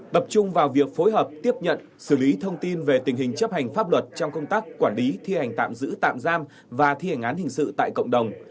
tập trung vào việc phối hợp tiếp nhận xử lý thông tin về tình hình chấp hành pháp luật trong công tác quản lý thi hành tạm giữ tạm giam và thi hành án hình sự tại cộng đồng